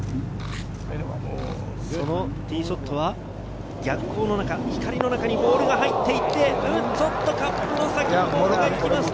そのティーショットは逆光の中、光の中にボールが入っていって、ちょっとカップの先にボールが行きました。